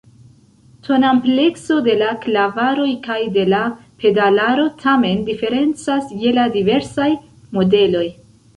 Tonamplekso de la klavaroj kaj de la pedalaro tamen diferencas je la diversaj modeloj.